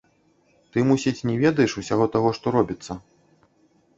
Ты, мусіць, не ведаеш усяго таго, што робіцца?